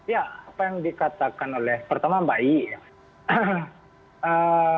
ya apa yang dikatakan oleh pertama mbak ie ya